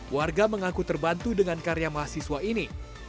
warga mengaku terbantu dengan karya mahasiswa ini